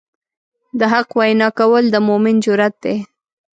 د حق وینا کول د مؤمن جرئت دی.